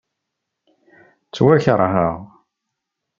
Ttwakeṛheɣ.